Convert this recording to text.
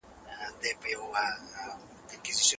په لاس خط لیکل د معلوماتو د خپلولو غوره لاره ده.